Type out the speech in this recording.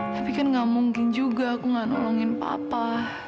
tapi kan gak mungkin juga aku gak nolongin papa